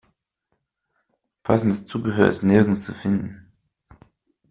Passendes Zubehör ist nirgends zu finden.